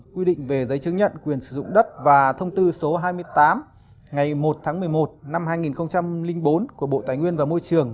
quy định về giấy chứng nhận quyền sử dụng đất và thông tư số hai mươi tám ngày một tháng một mươi một năm hai nghìn bốn của bộ tài nguyên và môi trường